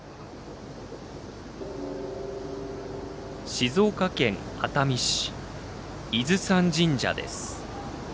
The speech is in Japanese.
静岡県熱海市伊豆山神社です。